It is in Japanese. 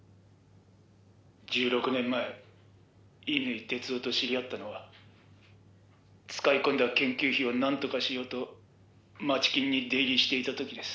「１６年前乾哲夫と知り合ったのは使い込んだ研究費をなんとかしようと街金に出入りしていた時です」